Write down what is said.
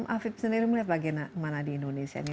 afib sendiri melihat bagaimana di indonesia ini